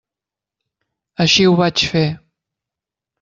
Així ho vaig fer.